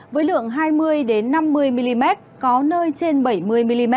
với lượng hai mươi năm mươi mm có nơi trên bảy mươi mm